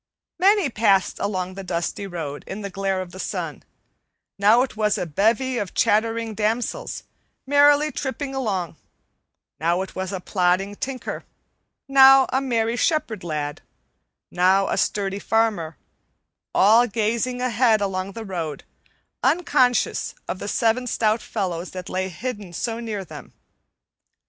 Many passed along the dusty road in the glare of the sun: now it was a bevy of chattering damsels merrily tripping along; now it was a plodding tinker; now a merry shepherd lad; now a sturdy farmer; all gazing ahead along the road, unconscious of the seven stout fellows that lay hidden so near them.